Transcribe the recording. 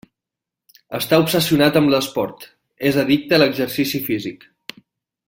Està obsessionat amb l'esport: és addicte a exercici físic.